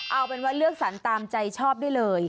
เอาเป็นว่าเลือกสรรตามใจชอบได้เลย